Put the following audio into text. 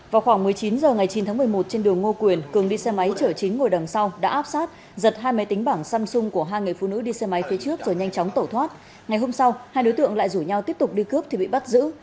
vào khoảng một mươi chín h ngày chín tháng một mươi một trên đường ngô quyền cường đi xe máy chở chính ngồi đằng sau đã áp sát giật hai máy tính bảng samsung của hai người phụ nữ đi xe máy phía trước rồi nhanh chóng tẩu thoát ngày hôm sau hai đối tượng lại rủ nhau tiếp tục đi cướp thì bị bắt giữ